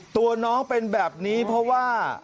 ตัวน้องเป็นแบบนี้เพราะว่า